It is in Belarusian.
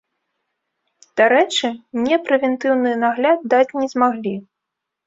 Дарэчы, мне прэвентыўны нагляд даць не змаглі.